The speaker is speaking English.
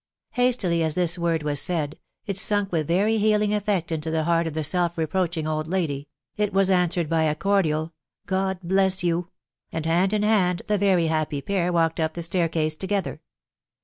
Hastily as this word was said, it sunk with very healing effect into the heart of the self reproaching old lady .... it was answered by a cordial " God bless you !" and hand in hand the very happy pair walked up the staircase together.